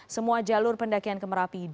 semua jalur pendakian ke merapi